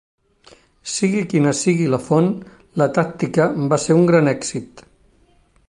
Sigui quina sigui la font, la tàctica va ser un gran èxit.